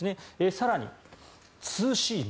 更に、ツーシーム。